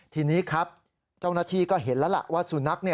ทีนี้ครับเจ้าหน้าที่ก็เห็นแล้วล่ะว่าสุนัข